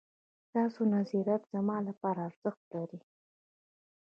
ستاسو نظريات زما لپاره ارزښت لري